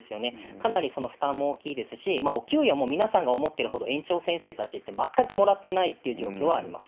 かなり負担も大きいですし、お給料も皆さんが思ってるほど、園長先生たちって全くもらってないっていう状況はあります。